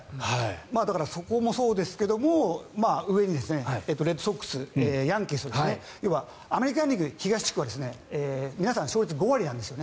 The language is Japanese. そこもそうですけども上にレッドソックス、ヤンキース要はアメリカン・リーグ東地区は皆さん勝率５割なんです。